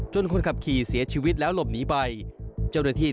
คนขับขี่เสียชีวิตแล้วหลบหนีไปเจ้าหน้าที่